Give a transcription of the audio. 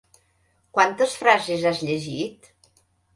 Quantes frases has llegit?